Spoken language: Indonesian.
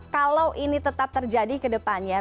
kalau ini tetap terjadi kedepannya